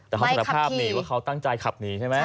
แต่เขาสารภาพนี่ว่าเขาตั้งใจขับหนีใช่ไหม